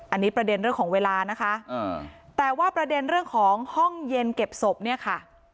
อันนี้ประเด็นเรื่องของเวลานะคะแต่ว่าประเด็นเรื่องของห้องเย็นเก็บศพเนี่ยค่ะ